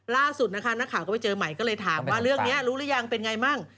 ล่าสุดนะคะนักข่าวก็ไปเจอใหม่ก็เลยถามว่าเรื่องนี้รู้หรือยังเป็นไงมั่ง